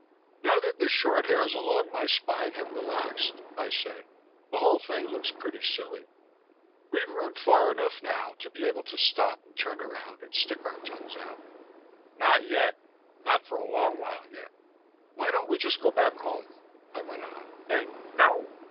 "Now that the short hairs along my spine have relaxed," I said, "the whole thing looks pretty silly. We've run far enough now to be able to stop and turn around and stick our tongues out." "Not yet not for a long while yet." "Why don't we just go back home," I went on, "and " "No!"